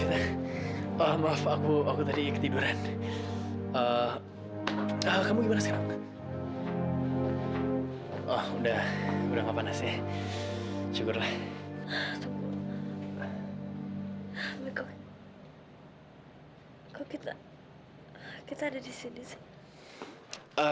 sampai jumpa di video selanjutnya